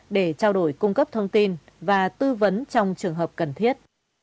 để trao đổi cung cấp thông tin và tư vấn trong trường hợp cần thiết